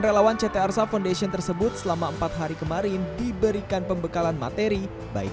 relawan ct arsa foundation tersebut selama empat hari kemarin diberikan pembekalan materi baik